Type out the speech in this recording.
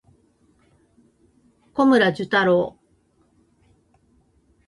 小村寿太郎